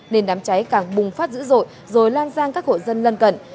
nên đám cháy càng bùng phát dữ dội rồi lan sang các hộ dân lân cận